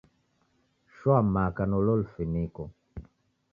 Shoa maka na ulo lufiniko.